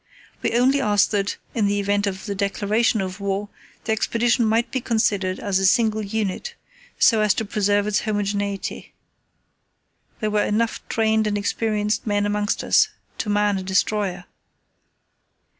We only asked that, in the event of the declaration of war, the Expedition might be considered as a single unit, so as to preserve its homogeneity. There were enough trained and experienced men amongst us to man a destroyer.